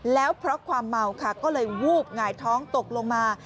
แล้วเพราะความเมาค่ะก็เลยวูบหงายท้องตกลงมา